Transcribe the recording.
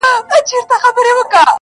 o يوه ورځ د بلي مور ده!